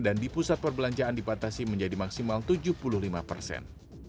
dan di pusat perbelanjaan dipatasi menjadi maksimal tujuh puluh lima persen